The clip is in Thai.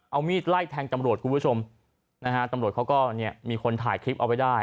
เอามีดไล่แทงตำรวจครับคุณผู้ชมตำรวจเขาก็มีคนแถ่คลิปเอาไว้ได้